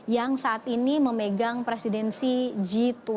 yang saat ini memegang presidensi g dua puluh